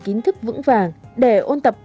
kiến thức vững vàng để ôn tập